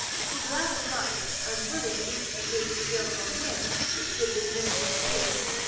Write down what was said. He glad of life, and willing eke to wreake The guilt on him, which did this mifchiefe breed.